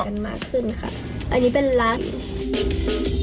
อันนี้เป็นลักษณ์